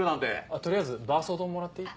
取りあえずバーソー丼もらっていい？